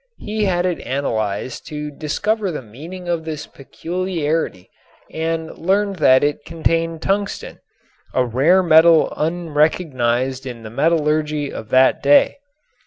He had it analyzed to discover the meaning of this peculiarity and learned that it contained tungsten, a rare metal unrecognized in the metallurgy of that day.